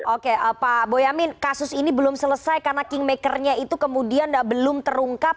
oke pak boyamin kasus ini belum selesai karena kingmakernya itu kemudian belum terungkap